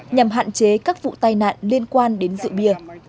nhằm hạn chế các vụ tai nạn liên quan đến rượu bia